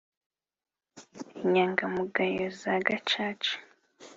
inyangamugayo za Gacaca